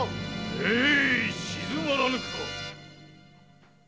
ええい静まらぬか！